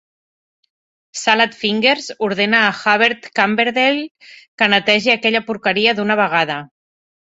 Salad Fingers ordena a Hubert Cumberdale que netegi aquella porqueria d'una vegada!